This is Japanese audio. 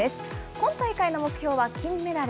今大会の目標は金メダル。